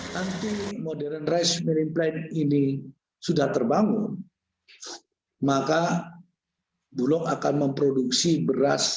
nanti modern rice miring plan ini sudah terbangun maka bulog akan memproduksi beras